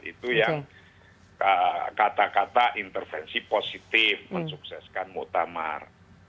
itu yang kata kata intervensi positif mensukseskan muktamar